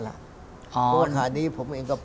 เพราะว่าคราวนี้ผมเองก็